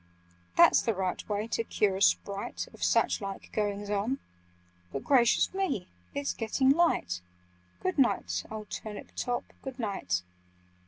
"That's the right way to cure a Sprite Of such like goings on— But gracious me! It's getting light! Good night, old Turnip top, good night!"